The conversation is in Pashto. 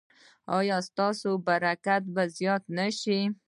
ایا ستاسو برکت به زیات نه شي؟